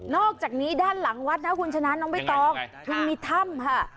อกจากนี้ด้านหลังวัดนะคุณชนะน้องใบตองคุณมีถ้ำค่ะ